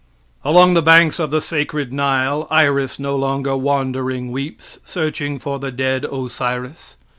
Along the banks of the sacred Nile, Iris no longer wandering weeps, searching for the dead Osiris.